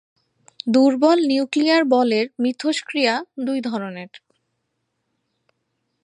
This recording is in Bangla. দুর্বল নিউক্লিয়ার বলের মিথস্ক্রিয়া দুই ধরনের।